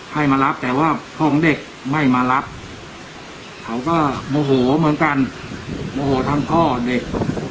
ให้มารับแต่ว่าพ่อของเด็กไม่มารับเขาก็โมโหเหมือนกันโมโหทั้งพ่อเด็ก